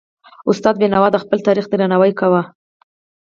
استاد بينوا د خپل تاریخ درناوی کاوه.